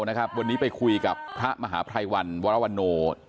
วันนี้ไปคุยกับพระมหาภัยวันวรวรโน